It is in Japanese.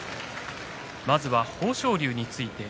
まずは豊昇龍について。